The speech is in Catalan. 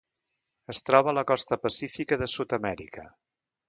Es troba a la costa pacífica de Sud-amèrica.